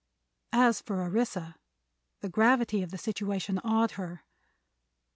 As for Orissa, the gravity of the situation awed her.